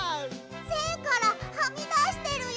せんからはみだしてるよ！